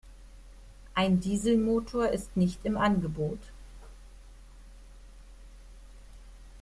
Ein Dieselmotor ist nicht im Angebot.